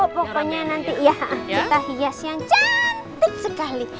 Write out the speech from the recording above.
pokoknya nanti ya kita hias yang cantik sekali